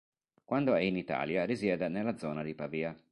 Quando è in Italia risiede nella zona di Pavia.